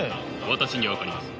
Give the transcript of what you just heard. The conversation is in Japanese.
私には分かります。